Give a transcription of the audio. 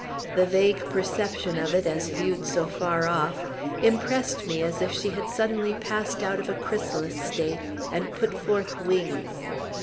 The vague perception of it, as viewed so far off, impressed me as if she had suddenly passed out of a chrysalis state and put forth wings.